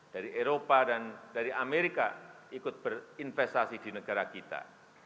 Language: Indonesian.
dari eropa dan dari amerika ikut berinvestasi di negara kita